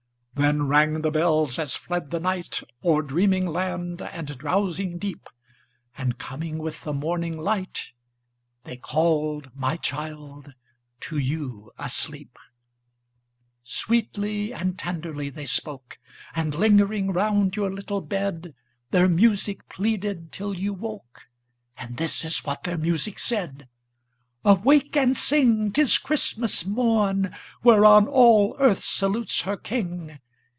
Then rang the bells as fled the night O'er dreaming land and drowsing deep, And coming with the morning light, They called, my child, to you asleep. Sweetly and tenderly they spoke, And lingering round your little bed, Their music pleaded till you woke, And this is what their music said: "Awake and sing! 'tis Christmas morn, Whereon all earth salutes her King!